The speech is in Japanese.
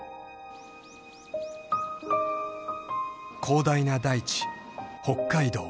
［広大な大地北海道］